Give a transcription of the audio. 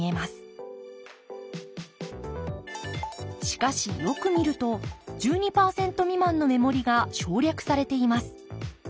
しかしよく見ると１２％未満の目盛りが省略されています。